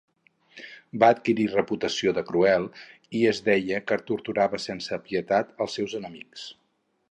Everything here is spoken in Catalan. Va adquirir reputació de cruel i es deia que torturava sense pietat els seus enemics.